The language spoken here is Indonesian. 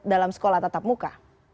dalam sekolah tatap muka